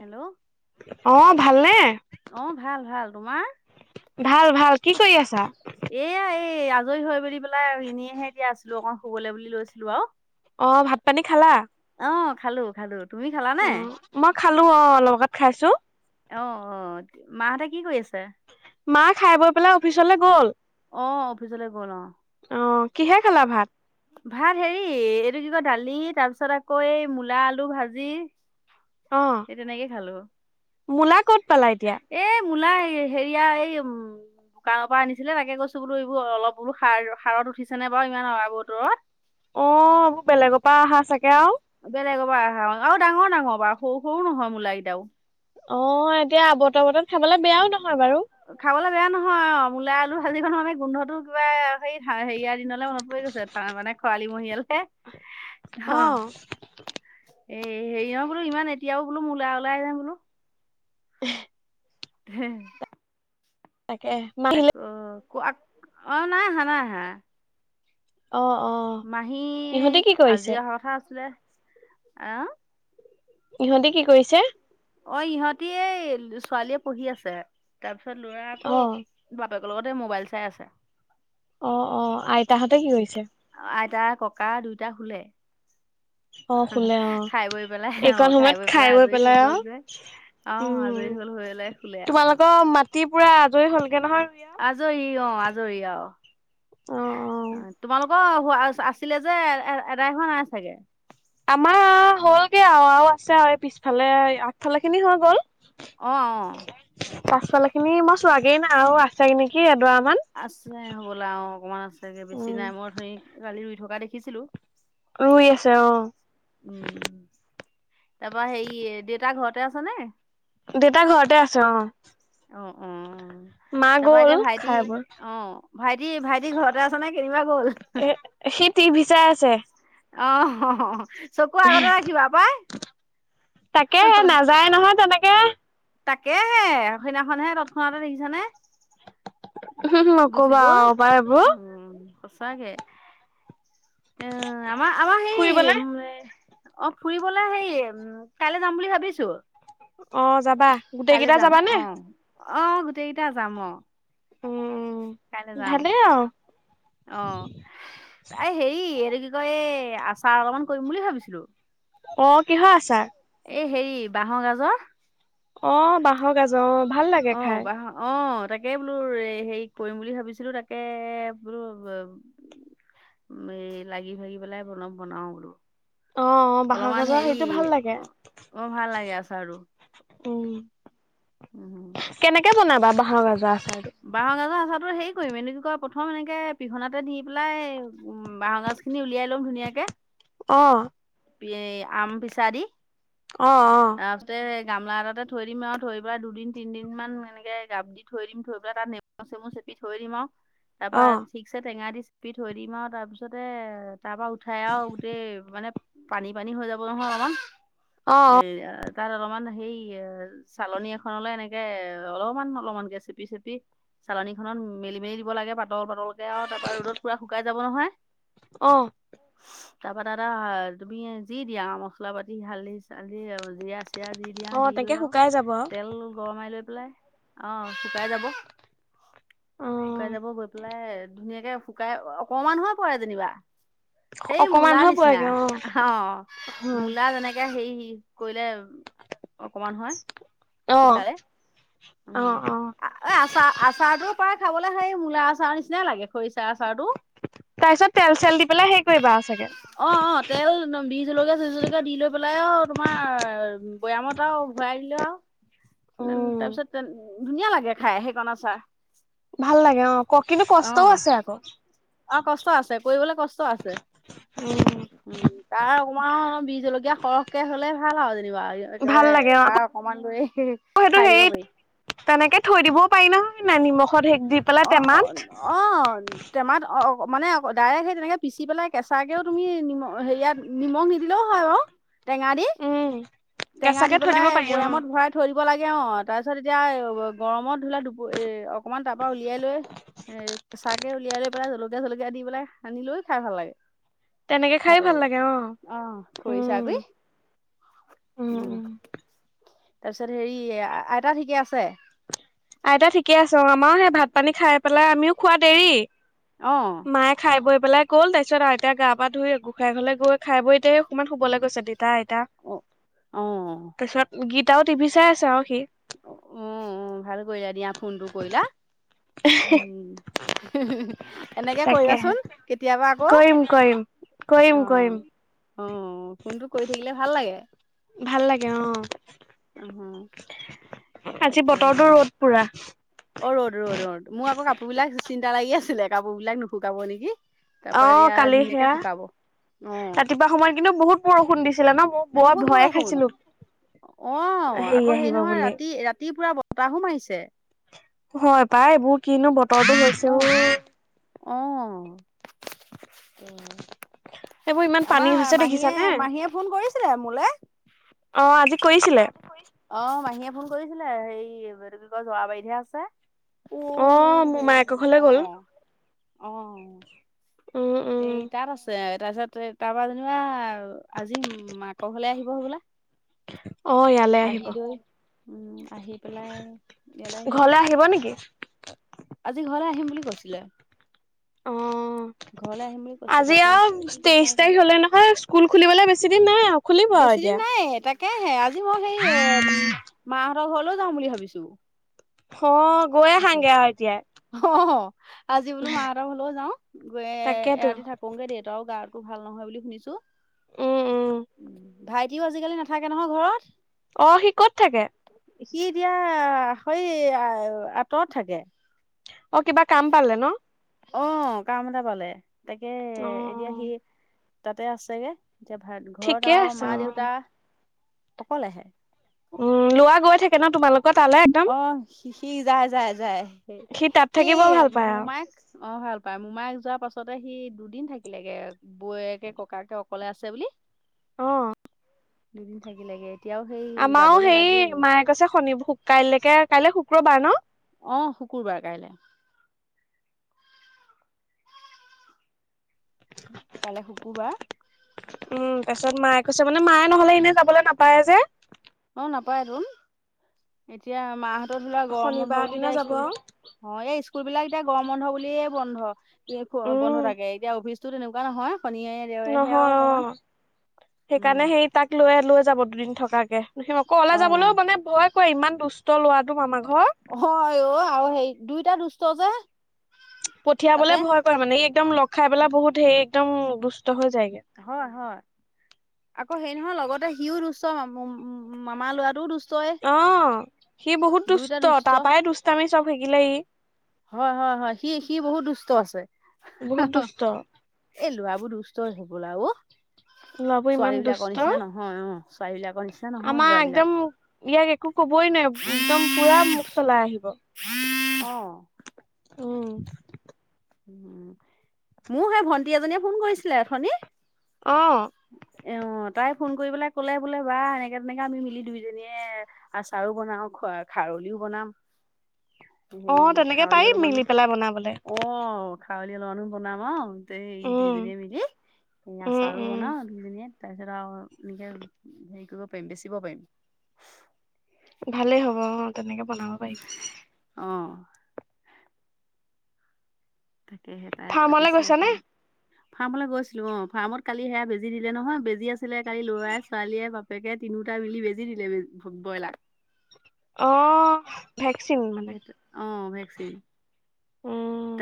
Hello অ ভালনে অ ভাল ভাল তোমাৰ ভাল ভাল কি কৰি আছা এয়া এই আজৰি হৈ বুলি পেলাই এনেইহে এতিয়া আছিলো অকণমান শুবলৈ বুলি লৈছিলো আৰু অ ভাত পানী খালা অ খালো খালো তুমি খালা নে অ' মই খালো অলপ আগত খাইছোঁ অ অ মাহঁতে কি কৰি আছে মাই খাই বৈ পেলাই অফিচলৈ গ'ল অহ অফিচলৈ গ'ল অ অহ কিহে খালা ভাত ভাত হেৰি এইটো কি কয় দালি তাৰ পিছত আকৌ এই মূলা আলু ভাজি অ' সেই তেনেকে খালো মূলা ক'ত পালা এতিয়া এই মূলা হেৰিয়া এই উম দোকানৰ পৰা আনিছিলে তাকে কৈছো বোলো এইবোৰ অলপ বোলো সাৰ সাৰত উঠিছে বাৰু ইমান অ বতৰত অ এইবোৰ বেলেগৰ পৰা আহা চাগে আও বেলেগৰ পৰা আহা আৰু ডাঙৰ ডাঙৰ বাৰু সৰু সৰু নহয় মূলা কেইটাও অ এতিয়া আৱত বতৰত খাবলে বেয়াও নহয় বাৰু খাবলৈ বেয়া নহয় অ মূলা আলু ভাজি কন হলে গোন্ধটো কিবা হ হেৰি- নলে মনত পৰি গৈছে তাৰ মানে খৰালি মহিয়ালৈ অ', এ, হেৰি নয় বোলো ইমান এতিয়াও বোলো, এতিয়াও মূলা ওলাইনে বোলো। হে তাকে। মা তাক আহিলে অ', কোৱাক', অ', নাই আহা নাই আহা। অ', অ',। ইহঁতে মাহীক কি আজি কৰিছে? অহা কথা আছিলে, আহ ইহঁতে কি কৰিছে? অ', ইহঁতি এই ছোৱালীয়ে পঢ়ি আছে, তাৰ পিছত লৰা অ' আকৌ বাপেকৰ লগতে মোবাইল চাই আছে। অ', অ', আইতাহতে কি কৰিছে? অ', আইতা, ককা দুইটা শুলে। [inaudible] শুলে অ' খাই বৈ পেলাই অ', খাই বৈ পেলাই আজৰি হৈ গল যে। অ', উম। আজৰি হল, হৈ পেলাই শুলে। আৰু তোমালোকৰ মাটিৰ পুৰা আজৰি হ'লগে নহয়। ৰুই আও? আজৰি অ', আজৰি অ', আৰু তোমালোকৰ আছিলে যে এদাই হোৱা নাই চাগে। আমাৰ আও হ'লগে আও আৰু আছে, আৰু পিছফালে আগফালে খিনি হৈ গ'ল। অ', অ',। পাছ ফালৰ খিনি মই চোৱাগেই নাই, আৰু আছে নেকি এডৰা মান। আছে হ'বলা অ', অকণমান আছেগে বেছি উম নাই মই ধৰি কালি ৰুই থকা দেখিছিলো। ৰুই আছে অ',। উম, তাপা হেৰি দেউতা ঘৰতে আছে নে? দেউতা ঘৰতে আছে অ',। অ', অ',। মা তাৰপা গ'ল এতিয়া ভাইটি খাই বৈ অ', ভাইটি- ভাইটি ঘৰতে আছ নে কেনিবা গ'ল? এ সি টিভি চাই আছে। অ', হহ চকু আগতে ৰাখিবা পাই। তাকেহে নাযায় নহয় তেনেকে। তাকেহে সেইদিনাখন হে তৎক্ষণাতে দেখিছানে? উম, গুচি নকবা গ'ল পাই এই বোৰ। উম সঁচাকে এ, আমাৰ আমাৰ ফুৰিবলে সেই অ ফুৰিবলৈ হেৰি উম কাইলৈ যাম বুলি ভাবিছোঁ। অ', যাবা গোটেই কেইটা যাবা নে? অ অ, গোটেইকেইটা যাম অ। কাইলৈ যাম ভালে আৰু। অ, এই হেৰি এইটো কি কয়, এই আচাৰ অকমান কৰিম বুলি ভাবিছিলোঁ। অ কিহৰ আচাৰ? এই হেৰি বাঁহৰ গাজৰ। অ, বাঁহৰ গাজৰ অ, ভাল লাগে অ খাই। বাঁহ অ, তাকে বোলো এ, হেৰি কৰিম বুলি ভাবিছিলোঁ তাকে বোলো এ, লাগি ভাগি পেলাই অলপ বনাও বোলো। অ অ বাঁহৰ অলপমান গাজৰ হেৰি, সেইটো ভাল লাগে বৰ ভাল লাগে আছে আচাৰটো। উম! উম কেনেকে বনাবা বাঁহৰ গাজৰ আচাৰটো? বাঁহৰ গাজৰ আচাৰটো হেৰি কৰিম এইটো কি কয় প্ৰথম এনেকে পিহনাতে দি পেলাই উম বাহগাজ খিনি উলিয়াই লম ধুনীয়াকে। অ। এই আম পিছা দি। অ', অ',। তাৰপিছতে গামলা এটাতে থৈ দিম আৰু থৈ পেলাই দুদিন তিনদিন মান এনেকে গাপ দি থৈ দিম। এটা নেমু চেমু চেপি থৈ দিম আৰু তাপা অ ঠিকছে টেঙা দি চেপি থৈ দিম আও তাৰ পিছতে তাৰ পৰা উঠাই আৰু গোটেই মানে পানী পানী হৈ যাব নহয় অলপমান। অ', সেইয়া তাত অলপমান সেইয়া। চালনী এখনলে এনেকে অলপমান অলপমানকে চেপি চেপি চালনীখনত মেলি মেলি দিব লাগে পাতল পাতলকে আও তাৰপা ৰ'দত পুৰা শুকাই যাব নহয় অ', তাৰপা তাত আও তুমি যি দিয়া মছলা পাতি হালধি-চালধি জিয়া চিয়া যি। দিয়া অ অ দি তেনেকে লৈ আও, শুকাই যাব আৰু। তেল গৰমাই লৈ পেলাই অহ শুকাই যাব। অ শুকাই যাব গৈ পেলাই ধুনীয়াকে শুকাই অকমান হৈয়ে পৰে যেনিবা। সেই মূলাৰ অকমানহে নিচিনা পৰেগে অ, মূলা যেনেকে সেই কৰিলে অকমান হয় অ শুকালে অ উম! অ এই আচা আচাৰটো প্ৰায় খাবলে সেই মূলা আচাৰ নিচিনাই লাগে খৰিচাৰ আচাৰটো। তাৰপিছত তেল চেল দি পেলাই সেই কৰিবা চাগে। অ, অ, তেল বি জলকীয়া চি জলকীয়া দি লৈ পেলাই অ, তোমাৰ বৈয়ামত আও ভয়াই দিলোঁ আও। উম তাৰ পিছত তেন ধুনীয়া লাগে খাই সেইকণ আচাৰ। ভাল লাগে অ। ক কিন্তু কষ্টও অঁ! আছে আকৌ অ কষ্ট আছে, কৰিবলৈ কষ্ট আছে। উম! তাৰ অকণমান বিহ জলকীয়া সৰহকে হ'লে ভাল আৰু যেনিবা। ভাল লাগে একেবাৰে অ আকৌ তাৰ অকমান লৈ সেইটো খাই দিব হেৰি পাৰি। তেনেকে থৈ দিব পাৰি নহয় নিমখত হেক দি। পেলাই অ-অ! টেমাত অঁ! টেমাত অ মানে ডাইৰেক্ট সেই তেনেকে পিচি পেলাই কেঁচাকেও তুমি নিমখ হেৰিয়াত নিমখ নিদিলেও হয় বাও। টেঙা দি। উম টেঙা দি কেঁচাকে থৈ পেলাই দিব পাৰি অ বৈয়ামত ভৰাই থৈ দিব লাগে অঁ। তাৰপিছত এতিয়া গৰমত ধৰিলা [unintelligible] অকণমান তাপ তাৰ পৰা উলিয়াই লৈ এ কেঁচাকে উলিয়াই লৈ পেলাই জলকীয়া-চলকীয়া দি পেলাই সানি লৈও খাই ভাল লাগে। তেনেকে খাই ভাতৰ ভাল লগত লাগে অঁ। অ খৰিচা উম! কৰি উম উম-উম! তাৰপিছত হেৰি আইতা ঠিকে আছে? আইতা ঠিকে আছেঁ অঁ। আমাৰো সেই ভাত-পানী খাই পেলাই আমিও খোৱা দেৰি। অঁ। মায়ে খাই বৈ পেলাই গ'ল। তাৰপিছত আৰু এতিয়া গা পা ধুই গোসাঁই ঘৰলৈ গৈ খাই বৈ এতিয়া এই অকণমান শুবলৈ গৈছে দেউতা, আইতা। অ! অঁ। তাৰপিছত গিতাও টিভি চাই আছে আও সি। উম-উম! ভাল কৰিলা দিয়া ফোনটো কৰিলা। উম! [unintelligible] এনেকে কৰিবা তাকেহে চোন কেতিয়াবা আকৌ। কৰিম-কৰিম। অঁ-অঁ! ফোনটো কৰি থাকিলে ভাল লাগে। ভাল লাগে অঁ। অহ অঁ। আজি বতৰটো ৰ'দ পুৰা। অ! ৰ'দ-ৰ'দ-ৰ'দ। মোৰ আকৌ কাপোৰ বিলাক চিন্তা লাগি আছিলে কাপোৰ বিলাক নুশুকাব নেকি। তাৰপৰা অঁ! দিয়া কালি ধুনীয়াকে সেয়া। শুকাব অ ৰাতিপুৱা সময়ত কিন্তু বহুত বৰষুণ দিছিলে ন? মই বৰ বহুত ভয়ে বৰষুণ। খাইছিলো অঁ! আকৌ হেৰি আহিব নহয় বুলি ৰাতি-ৰাতি পুৰা বতাহো মাৰিছে। হয় পাই এইবোৰ কিনো বতৰটো হৈছে অ। অঁ। সেইবোৰ ইমান পানী আমাৰ হৈছে দেখিছানে? মাহীয়ে-মাহীয়ে ফোন কৰিছিলে মোলে। অঁ! আজি কৰিছিলে। অঁ মাহীয়ে ফোন কৰিছিলে হেৰি এইটো কি কয় যৰা বাৰিতহে আছে। অ অঁ! মোমায়েকৰ ঘৰলে গ'ল। অঁ। উম উম এই তাত আছে তাৰপিছত তাৰপা যেনিবা আজি মাকৰ ঘৰলে আহিব হবলা। অ ইয়ালে আহিব। আহিলৈ উম আহি পেলাই ইয়ালে আহিব। ঘৰলে আহিব নেকি? আজি ঘৰলে আহিম বুলি কৈছিলে। ঘৰলে অঁ! আহিম বুলি কৈছে আজি তাকে আৰু কি কথা তেইশ কয় তাৰিখ হ'লেই নহয়। স্কুল খুলিবলে বেছি দিন নাই আৰু। খুলিব আৰু বেছি দিন এতিয়া। নাই তাকেহে আজি মই সেই উম মাহঁতৰ ঘৰলৈও যাওঁ বুলি ভাবিছোঁ। অঁ! গৈ আহাঙগে আৰু এতিয়াই। অঁ আজি বোলো মাহঁতৰ ঘৰলেও যাও গৈ তাকেতো এৰাতি থাকোঁগে। দেউতাও গা ভাল নহয় বুলি শুনিছোঁ। উম উম ভাইটিও আজিকালি নাথাকে নহয় ঘৰত। অ সি ক'ত থাকে? সি এতিয়া হৈ আ আঁতৰত থাকে। অ কিবা কাম পালে ন? অ কাম এটা পালে, তাকে অ এতিয়া সি তাতে আছেগে। এতিয়া ভ ঘৰত ঠিকে আও আছে মা অ। দেউতা অকলেহে। উম লোৱা গৈ থাকে ন তোমালোক তালে একদম? অ সি সি যায় যায় যায় তাত সি থাকিব ভাল পায় মোমায়েক অ ভাল পাই, মোমাই যোৱাৰ পাছতে সি দুদিন থাকিলেগে বৌয়েকে ককাকে অকলে আছে বুলি। অঁ। দুদিন থাকিলেগে। তেওঁ হেই আমাৰও হেৰি মায়ে কৈছে শনি কাইলৈকে কাইলৈ শুক্ৰবাৰ ন? অ শুকুৰবাৰ কাইলে। কাইলে শুকুৰবাৰ। উম তাৰপিছত মায়ে কৈছে মানে মায়ে নহলে এনে যাবলৈ নাপায় যে। অ নাপায় তোন, এতিয়া মাহঁতৰ ধৰি লোৱা গৰম বন্ধ শনিবাৰ বুলি দিনা তাই যাব স্কুল আৰু অ এই স্কুল বিলাক এতিয়া গৰম বন্ধ বুলিয়ে বন্ধ। বন্ধ উম থাকে এতিয়া অফিচতো তেনেকুৱা নহয় শনিয়ে দেওৰেহে আৰু নহয় অকমান অ উম। সেইকাৰণে সেই তাক লৈ লৈ যাব দুদিন থকাকে। সি অকলে যাবলৈও মানে ভয় কৰে ইমান দুষ্ট লৰাটো মামা ঘৰ। হয় অ আৰু সেই দুইটা দুষ্ট যে। পঠিয়াবলে তাতে। ভয় কৰে মানে ই একদম লগ খায় পেলাই বহুত হেৰি একদম দুুষ্ট হৈ যায়গে। হয় হয় আকৌ সেই নহয় লগতে সিও দুষ্ট মামা লৰাটোও দুষ্ট অঁ সি বহুত দুষ্ট তাৰ পৰাই দুষ্টামি চব সিকিলে ই। হয় হয় হয় সি সি বহুত দুষ্ট আছে। বহুত দুষ্ট এ লৰাবোৰ দুষ্টই হ'বলা অ। ল'ৰাবোৰ ইমান ছোৱালী বিলাকৰ দুষ্ট নিচিনা নহয় অঁ, ছোৱালী বিলাকৰ নিচিনা নহয় আমাৰ একদম ল'ৰাবিলাক। ইয়াক একো কবই নোৱাৰি একদম পোৰা মুখ চলাই আহিব। [unintelligible] অঁ। উম। উ মোৰ সেই ভন্টি এজনীয়ে ফোন কৰিছিলে অথনি। অঁ। অ তাই ফোন কৰি পেলাই কলে বোলে বা এনেকে তেনেকে আমি মিলি দুইজনীয়ে আচাৰো বনাও খোৱা খাৰলিও বনাম। হেৰি অঁ তেনেকে খাৰলি পাৰিম অলপমানো মিলি পেলাই বনাবলে। অ খাউলি অলপমানো বনাম অ ত এই উম। দুইজনীয়ে মিলি এই উম, আচাৰো উম, বনাও দুইজনীয়ে তাৰপিছত আও এনেকে হেৰি কৰিব পাৰিম বেচিব পাৰিম। ভালেই হ'ব অ তেনেকে বনাব পাৰিবা। অঁ। তাকেহে তাই ফাৰ্মলৈ পাতিছিলে গৈছা অথুণি। [inaudible] ফাৰ্মলে গৈছিলোঁ অঁ ফাৰ্মত কালি সেয়া বেজী দিলে নহয়, বেজী আছিলে কালি লৰা'ই ছোৱালীয়ে তাকে তিনিওটা মিলি বেজি দিলে ব্ৰইলাক। অ ভেকচিন, অ', ভেকচিন উম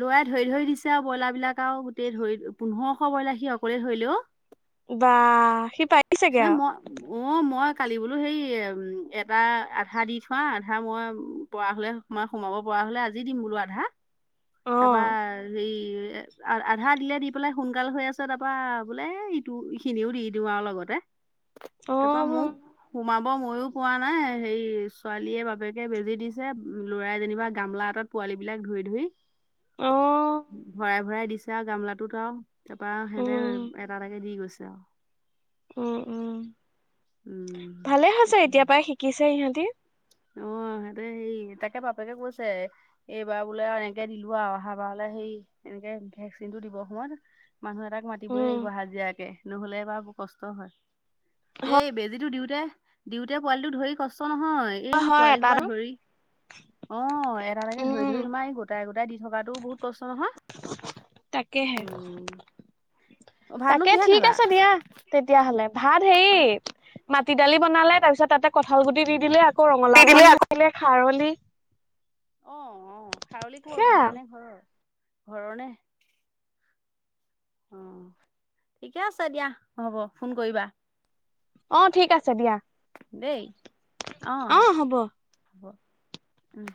লোৱাই ধৰি ধৰি দিছে আৰু ব্ৰইলাৰ বিলাক আও গোটেই ধৰি পোন্ধৰশ ব্ৰইলাৰ সি অকলেই ধৰিলে ও বা সি পা সেই মই। অ মই কালি বোলো হেই এটা আধা দি থোৱা আধা মই পৰা হলে সোম সোমাব পৰা হলে আজি দিম বোলো আধা তাৰপা অ', হেই আৰু আধা দিলে দি পেলাই সোনকাল হৈ আছে তাৰপৰা বোলে ইটো ই খিনিও দি দিওঁ আৰু লগতে। তাৰাপৰা মোক অ', সোমাব মইয়ো পোৱা নাই সেই ছোৱালীয়ে বাপেকে বেজি দিছে ল'ৰাই যেনিবা গামলা এটাত পোৱালী বিলাক ধৰি ধৰি, অ ভৰাই ভৰাই দিছে আৰু গামলাটো ত আও তাৰপৰা সিহঁতে উম, এটা এটাকে দি গৈছে আও। উম উম উম ভালে হৈছে তাকে এতিয়া পৰাই শিকিছে ইহঁতি। অ সেইটো সেই তাকে বাপেকে কৈছে এইবাৰ বোলে আৰু এনেকে দিলো আৰু অহা বাৰ হলে সেই এনেকে ভেকচিন টো দিব সময়ত মানুহ এটাক মাতিবই উম। লাগিব হাজিৰাকে নহ'লে এবাৰ কষ্ট হয়। এই বেজী তো দিওঁতে দিওঁতে পোৱালিটো ধৰি কষ্ট নহয়। এই হয় এটা পোৱালিসোপা এটা ধৰি, অ এটা এটা ধৰি ধৰি উম, তোমাৰ গোটাই গোটাই দি থকাতো বহুত কষ্ট নহয়। তাকেহে, উম ভাতনো তাকে কিহে ঠিক খালা আছে দিয়া। তেতিয়া হ'লে ভাত হেৰি মাটি দালি বনালে তাৰ পিছত তাতে কঁঠাল গুটি দি দিলে। আকৌ দি ৰঙালাও দিলে আকৌ অকনমান ভাজিলে খাৰলি অ অ খাৰলি কৰ সেয়া কিনা নে ঘৰৰ? ঘৰৰে অ ঠিকে আছে দিয়া হ'ব ফোন কৰিবা। অ ঠিক আছে দিয়া। দেই, অ হব উম।